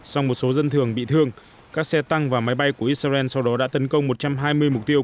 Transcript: sau một số dân thường bị thương các xe tăng và máy bay của israel sau đó đã tấn công một trăm hai mươi mục tiêu